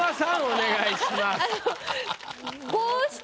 お願いします。